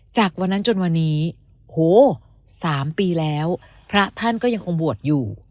จากวันนั้นจนวันนี้โห๓ปีแล้วพระท่านก็ยังคงบวชอยู่